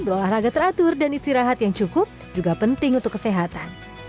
berolahraga teratur dan istirahat yang cukup juga penting untuk kesehatan